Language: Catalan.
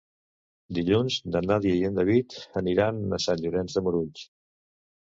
Dilluns na Nàdia i en David aniran a Sant Llorenç de Morunys.